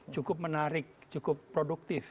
cukup menarik cukup produktif